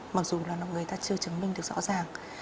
mặc dù là người ta chưa chứng minh được rõ ràng